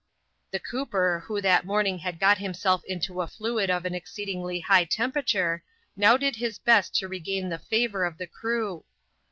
The cooper, who that morning had got himself into a fluid of an exceedingly high temperature, now did his best to regain the favour of the crew.